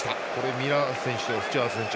ミラー選手スチュアート選手